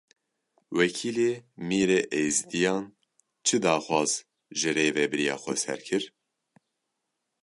Wekîlê Mîrê Êzidiyan çi daxwaz ji Rêveberiya Xweser kir?